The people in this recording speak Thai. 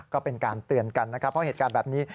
ก็เป็นการเตือนกันนะครับเพราะเหตุการณ์แบบนี้